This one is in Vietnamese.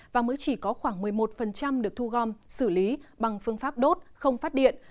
và mới chỉ có khoảng một mươi một được thu gom xử lý bằng phương pháp đốt không phát điện